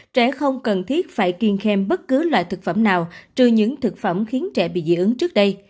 trẻ không cần thiết phải kiên thêm bất cứ loại thực phẩm nào trừ những thực phẩm khiến trẻ bị dị ứng trước đây